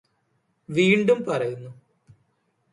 വീണ്ടും പറയുന്നു